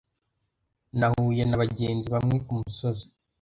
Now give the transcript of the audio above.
Nahuye nabagenzi bamwe kumusozi.